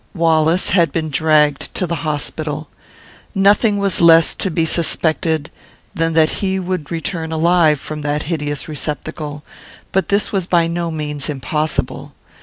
Wallace had been dragged to the hospital. Nothing was less to be suspected than that he would return alive from that hideous receptacle, but this was by no means impossible.